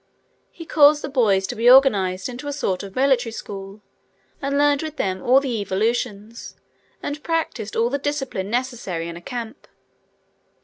He caused the boys to be organized into a sort of military school, and learned with them all the evolutions, and practiced all the discipline necessary in a camp.